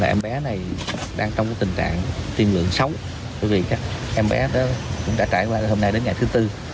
em bé này đang trong tình trạng tiên lượng xấu vì em bé đã trải qua hôm nay đến ngày thứ tư